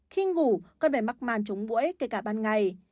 khi ngủ con phải mắc màn chống mũi kể cả ban ngày